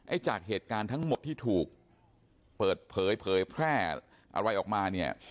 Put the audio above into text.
จากเหตุการณ์ทั้งหมดที่ถูกเปิดเผยเผยแพร่อะไรออกมาเนี่ย